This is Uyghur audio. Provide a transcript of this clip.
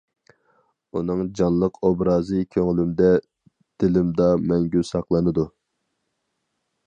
ئۇنىڭ جانلىق ئوبرازى كۆڭلۈمدە دىلىمدا مەڭگۈ ساقلىنىدۇ.